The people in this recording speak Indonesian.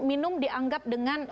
minum dianggap dengan